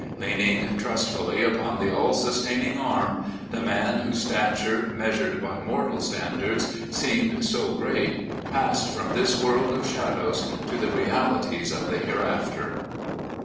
Leanii^ trust fully upon the all sustaining Arm, the man whose stature, measured by mortal standards, seemed so great, passed from this world of shadows to the realities of the here after."